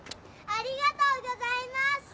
ありがとうございます。